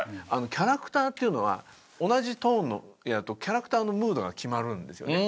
キャラクターっていうのは同じトーンでやるとキャラクターのムードが決まるんですよね。